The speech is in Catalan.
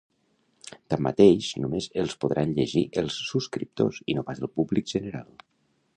Tanmateix, només els podran llegir els subscriptors i no pas el públic general.